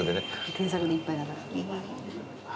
添削でいっぱいだから。